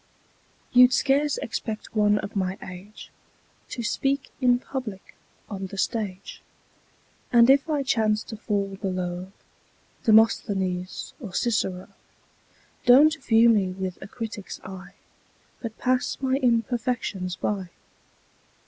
YOU'D scarce expect one of my age To speak in public on the stage, And if I chance to fall below Demosthenes or Cicero, Don't view me with a critic's eye, But pass my imperfections by.